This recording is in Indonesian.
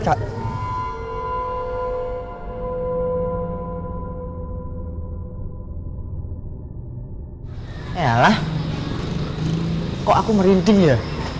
ya lah kok aku merinding ya